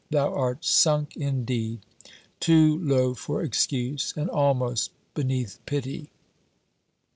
thou art sunk indeed! Too low for excuse, and almost beneath pity!"